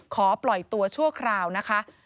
ขอปล่อยตัวชั่วคราวนะคะ